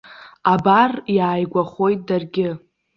Абар, иааигәахоит даргьы.